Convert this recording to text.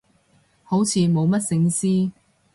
好似冇乜聖詩